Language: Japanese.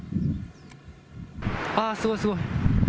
あー、すごい、すごい。